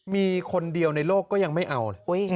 มีคนเดียวในโลกก็ยังไม่เอาเลย